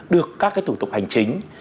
được các cái thủ tục hành chính